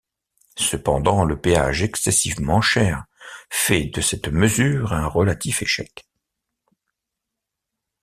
Cependant, le péage, excessivement cher, fait de cette mesure un relatif échec.